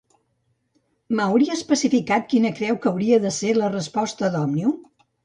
Mauri ha especificat quina creu que hauria de ser la resposta d'Òmnium?